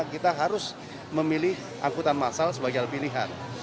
kita harus memilih angkutan massal sebagai pilihan